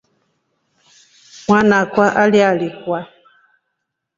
Mwana akwa alialikwa.